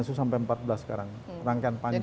kasus sampai empat belas sekarang rangkaian panjang